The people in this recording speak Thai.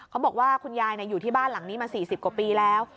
คุณยายอยู่ที่บ้านหลังนี้มา๔๐กว่าปีแล้ว